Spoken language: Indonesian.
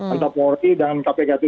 antapu orti dan kpk itu